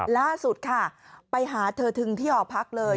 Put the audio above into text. ล่าสุดค่ะไปหาเธอถึงที่หอพักเลย